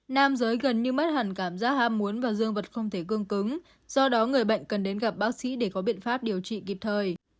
nam giới gần như mất hẳn cảm giác ham muốn và dương vật không thể cương cứng do đó người bệnh cần đến gặp bác sĩ để có biện pháp điều trị kịp thời